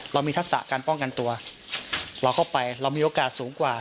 เรามีทักษะการป้องกันตัวเราเข้าไปเรามีโอกาสสูงกว่า